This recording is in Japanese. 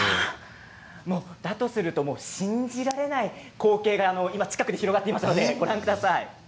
だとすると信じられない光景が今近くで広がっています。